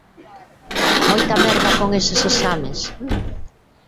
Moita merda con eses exames!